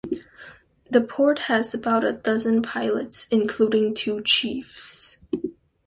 The port has about a dozen pilots, including two chiefs.